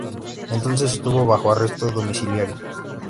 Entonces estuvo bajo arresto domiciliario